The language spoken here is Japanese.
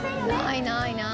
ないないない！